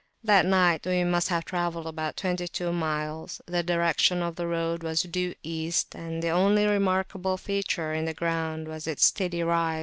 That night we must have travelled about twenty two miles; the direction of the road was due East, and the only remarkable feature in the ground was its steady rise.